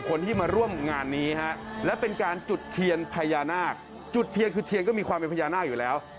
คลิปของคุณอ่านเพราะอะไรอ่ะ